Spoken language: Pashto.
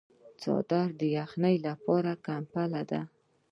څادر د یخنۍ لپاره کمپله ده.